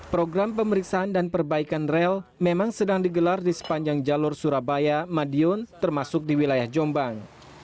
program pemeriksaan dan perbaikan rel memang sedang digelar di sepanjang jalur surabaya madiun termasuk di wilayah jombang